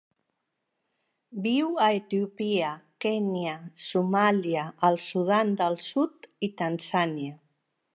Viu a Etiòpia, Kenya, Somàlia, el Sudan del Sud i Tanzània.